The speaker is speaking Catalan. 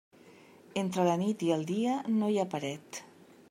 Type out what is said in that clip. Entre la nit i el dia no hi ha paret.